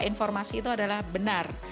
informasi itu adalah benar